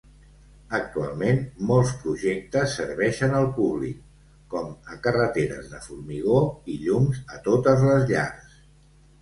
Actualment molts projectes serveixen al públic com a carreteres de formigó i llums a totes les llars.